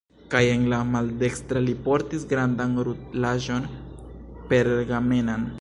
Kaj en la maldekstra li portis grandan rulaĵon pergamenan.